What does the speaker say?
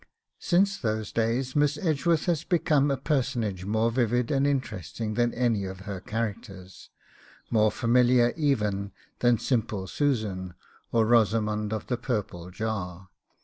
Since those days Miss Edgeworth has become a personage more vivid and interesting than any of her characters, more familiar even than 'Simple Susan' or 'Rosamond of the Purple Jar.